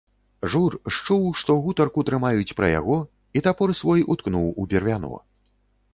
Жур счуў, што гутарку трымаюць пра яго, і тапор свой уткнуў у бервяно.